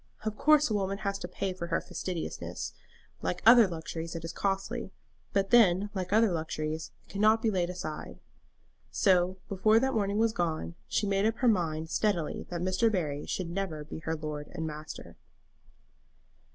Of course a woman has to pay for her fastidiousness. Like other luxuries, it is costly; but then, like other luxuries, it cannot be laid aside." So, before that morning was gone, she made up her mind steadily that Mr. Barry should never be her lord and master.